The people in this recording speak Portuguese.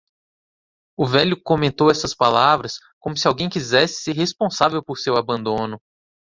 O velho comentou essas palavras, como se alguém quisesse ser responsável por seu abandono.